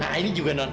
nah ini juga non